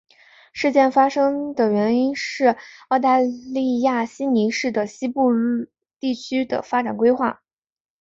事件发生的原因是澳大利亚悉尼市的西部地区的发展规划。